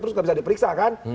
terus nggak bisa diperiksa kan